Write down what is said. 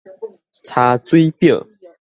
查水表